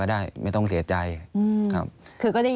อันดับ๖๓๕จัดใช้วิจิตร